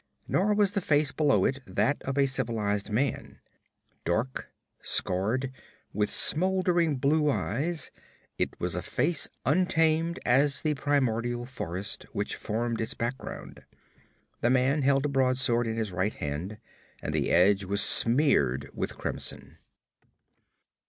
Nor was the face below it that of a civilized man: dark, scarred, with smoldering blue eyes, it was a face untamed as the primordial forest which formed its background. The man held a broadsword in his right hand, and the edge was smeared with crimson.